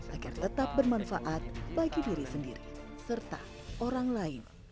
agar tetap bermanfaat bagi diri sendiri serta orang lain